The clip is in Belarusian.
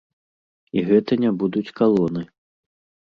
І гэта не будуць калоны.